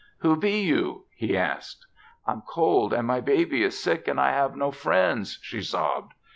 "Who be you?" he asked. "I'm cold, and my baby is sick, and I have no friends," she sobbed.